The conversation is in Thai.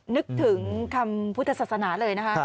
นึกถึงคำพุทธศาสนาเลยนะคะ